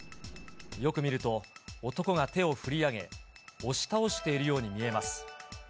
よく見ると、男が手を振り上げ、押し倒しているように見えます。